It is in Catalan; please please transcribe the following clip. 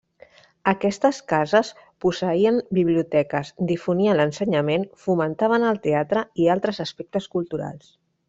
Aquestes cases posseïen biblioteques, difonien l'ensenyament, fomentaven el teatre i altres aspectes culturals.